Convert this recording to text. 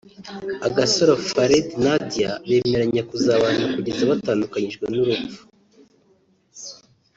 Agasaro Farid Nadia bemeranye kuzabana kugeza batandukanyijwe n’urupfu